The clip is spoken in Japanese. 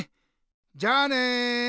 じゃあね！